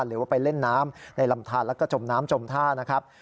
หรือว่าไปเล่นน้ำในลำทานแล้วก็จมน้ำจมท่านะครับ